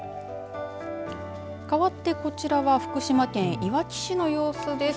かわってこちらは福島県いわき市の様子です。